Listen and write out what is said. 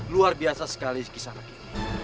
luar biasa sekali kisah lagi